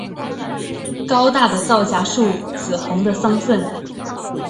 高大的皂荚树，紫红的桑葚